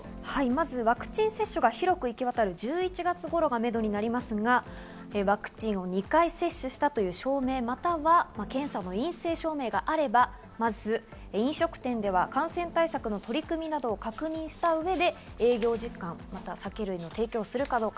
ワクチン接種が広く行き渡る１１月頃がめどになりますが、ワクチンを２回接種したという証明、または検査の陰性証明があれば、まず飲食店では感染対策の取り組みなどを確認した上で、営業時間、または酒類の提供をするかどうか。